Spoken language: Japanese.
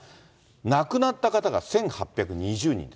亡くなった方が１８２０人。